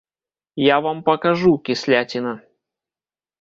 Я вам пакажу, кісляціна!